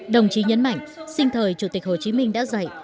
đồng chí nhấn mạnh sinh thời chủ tịch hồ chí minh đã dạy